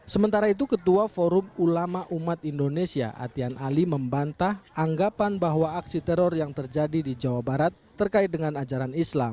sementara itu ketua forum ulama umat indonesia atian ali membantah anggapan bahwa aksi teror yang terjadi di jawa barat terkait dengan ajaran islam